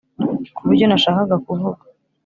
ku buryo nashakaga kuvuga